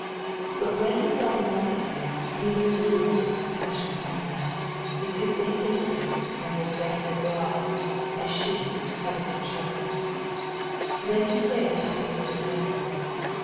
8d But when he saw the multitudes, he was moved with compassion on them, because they fSEontea, and were scattered abroad, as sheep having no shepherd. 87 Then saith he unto his disciples.